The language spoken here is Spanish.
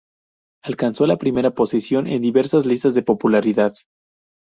Alcanzó la primera posición en diversas listas de popularidad.